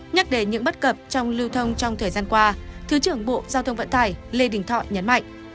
nhắc đến những bất cập trong lưu thông trong thời gian qua thứ trưởng bộ giao thông vận tải lê đình thọ nhấn mạnh